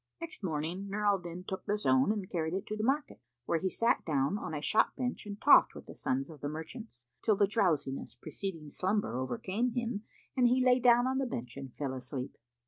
Next morning, Nur al Din took the zone and carried it to the market, where he sat down on a shop bench and talked with the sons of the merchants, till the drowsiness preceding slumber overcame him and he lay down on the bench and fell asleep.